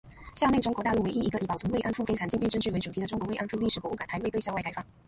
校内中国大陆唯一一个以保存“慰安妇”悲惨境遇证据为主题的中国“慰安妇”历史博物馆还未对校外开放。